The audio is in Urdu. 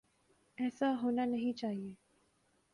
ایسا ہونا نہیں چاہیے۔